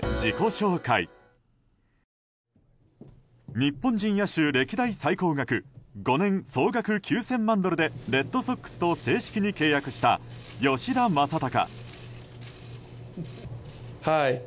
日本人野手歴代最高額５年総額９０００万ドルでレッドソックスと正式に契約した吉田正尚。